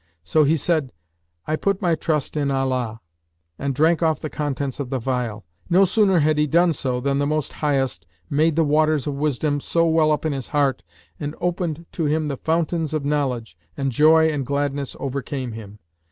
So he said, "I put my trust in Allah,'[FN#575] and drank off the contents of the phial. No sooner had he done so, than the Most Highest made the waters of wisdom to well up in his heart and opened to him the fountains of knowledge, and joy and gladness overcame him.